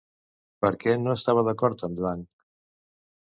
Per què no estava d'acord amb Lang?